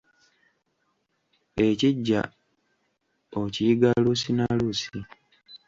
Ekiggya okiyiga luusi na luusi.